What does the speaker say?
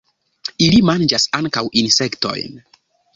Ili manĝas ankaŭ insektojn.